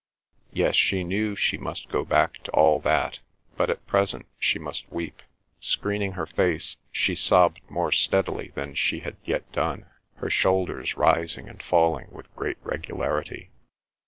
Yes, she knew she must go back to all that, but at present she must weep. Screening her face she sobbed more steadily than she had yet done, her shoulders rising and falling with great regularity.